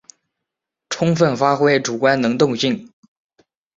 充分发挥主观能动性